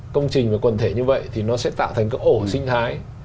công trình và quần thể như vậy thì nó sẽ tạo thành cái ổ sinh thái